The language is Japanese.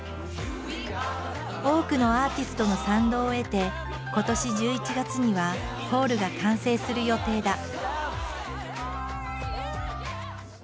多くのアーティストの賛同を得て今年１１月にはホールが完成する予定だ。